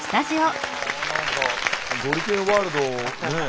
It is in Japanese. ゴリけんワールドねえ。